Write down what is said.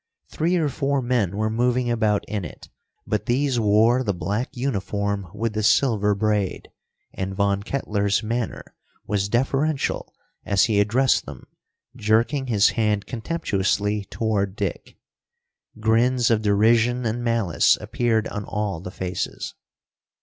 Three or four men were moving about in it, but these wore the black uniform with the silver braid, and Von Kettler's manner was deferential as he addressed them, jerking his hand contemptuously toward Dick. Grins of derision and malice appeared on all the faces.